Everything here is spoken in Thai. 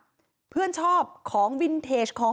หมาก็เห่าตลอดคืนเลยเหมือนมีผีจริง